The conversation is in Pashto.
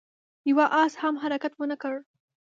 يوه آس هم حرکت ونه کړ.